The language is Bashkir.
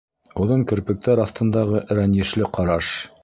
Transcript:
Оҙон керпектәр аҫтындағы рәнйешле ҡараш.